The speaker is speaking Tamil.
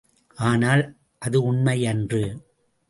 ஆனால் அது உண்மையன்று.